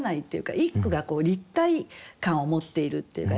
一句が立体感を持っているっていうかね。